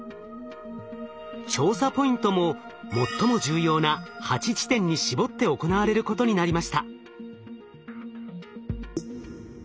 調査ポイントも最も重要な８地点に絞って行われることになりました。